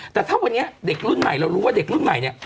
แต่ถ้าวันนี้เด็กรุ่นใหม่เรารู้ว่าเด็กรุ่นใหม่เนี่ย